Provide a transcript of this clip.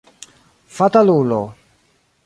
Fatalulo!